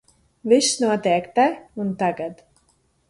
Viss notiek te un tagad.